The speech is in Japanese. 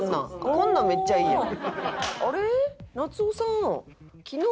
こんなんめっちゃいいやん。